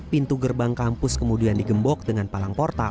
pintu gerbang kampus kemudian digembok dengan palang portal